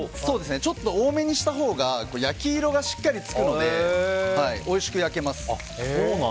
ちょっと多めにしたほうが焼き色がしっかりつくのでおいしく焼けます。